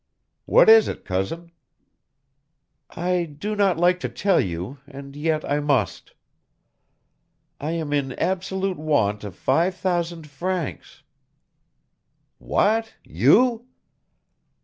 "What is it, cousin?" "I do not like to tell you, and yet I must. I am in absolute want of five thousand francs." "What, you?"